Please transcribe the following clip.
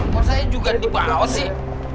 mau saya juga dibawa sih